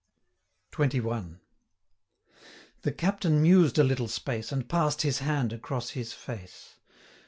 325 XXI. The Captain mused a little space, And pass'd his hand across his face.